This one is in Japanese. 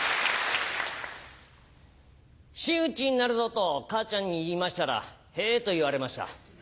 「真打になるぞ」と母ちゃんに言いましたら「へぇ」と言われました。